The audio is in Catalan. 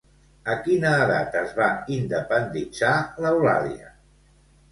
A quina edat es va independitzar l'Eulàlia?